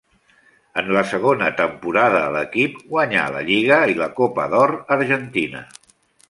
En la segona temporada a l'equip guanyà la lliga i la Copa d'Or Argentina.